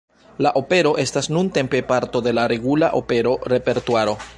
La opero estas nuntempe parto de la regula opera repertuaro.